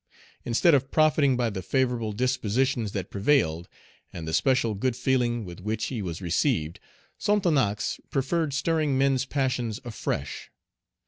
Instead of profiting by the favorable dispositions that prevailed, and the special good feeling with which he was received, Sonthonax preferred stirring men's passions afresh.